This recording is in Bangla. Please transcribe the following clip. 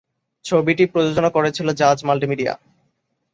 ছবিটি প্রযোজনা করেছিল জাজ মাল্টিমিডিয়া।